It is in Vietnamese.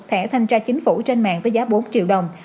thẻ thanh tra chính phủ trên mạng với giá bốn triệu đồng